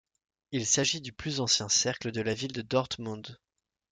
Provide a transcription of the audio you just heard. Il s’agit du plus ancien cercle de la ville de Dortmund.